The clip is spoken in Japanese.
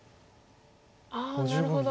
ああなるほど。